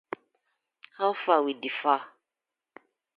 How far wit di far?